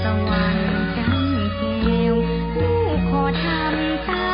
ทรงเป็นน้ำของเรา